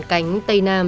cánh tây nam